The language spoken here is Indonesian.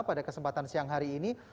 pada kesempatan siang hari ini